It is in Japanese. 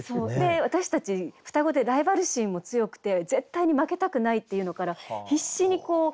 私たち双子でライバル心も強くて絶対に負けたくないっていうのから必死に勉強していて。